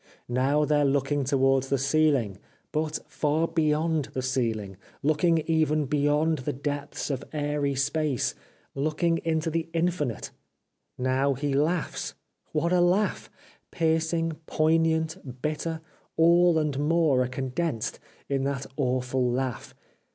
Now they are looking towards the ceiling — but far beyond the ceiling, looking even beyond the depths of airy space, looking into the infinite. Now he laughs ! What a laugh ! Piercing, poignant, bitter — all and more are condensed in that awful laugh.